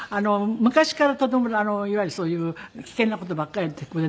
昔からとてもいわゆるそういう危険な事ばっかりやっている子でね。